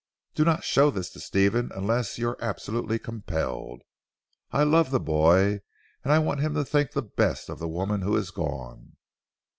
"Do not show this to Stephen unless you are absolutely compelled. I love the boy and I want him to think the best of the woman who is gone.